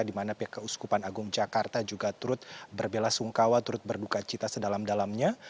di mana pihak keuskupan agung jakarta juga turut berbela sungkawa turut berduka cita sedalam dalamnya